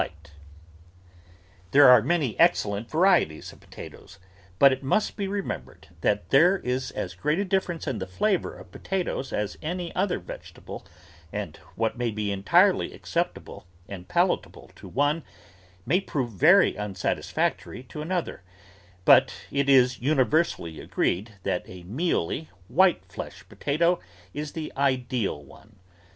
THE VEGETABLE GARDEN There are many excellent varieties of potatoes, but it must be remembered that there is as great a difference in the flavour of potatoes as any other vegetable, and what may be entirely acceptable and palatable to one may prove very unsatisfactory to another, but it is universally agreed that a mealy, white fleshed potato is the ideal one.